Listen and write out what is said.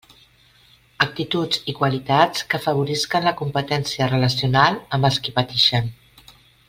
Actituds i qualitats que afavorisquen la competència relacional amb els que patixen.